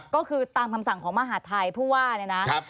ก็คือตามคำสั่งของมหาศิริพฤษภาคภาคนร์